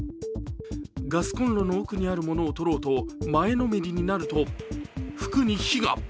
ガスコンロの奥にあるものを取ろうと前のめりになると、服に火が。